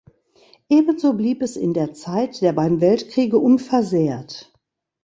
Ebenso blieb es in der Zeit der beiden Weltkriege unversehrt.